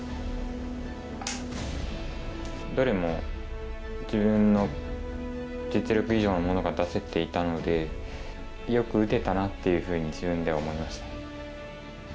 どれも自分の実力以上のものが出せていたのでよく打てたなっていうふうに自分では思いましたね。